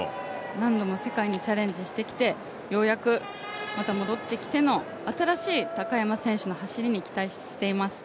何度も世界にチャレンジしてきてようやくまた戻ってきての、新しい高山選手の走りに期待しています。